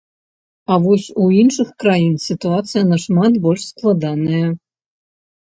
А вось у іншых краін сітуацыя нашмат больш складаная.